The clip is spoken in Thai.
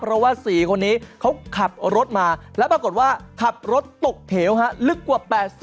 เพราะว่า๔คนนี้เขาขับรถมาแล้วปรากฏว่าขับรถตกเถวฮะลึกกว่า๘๐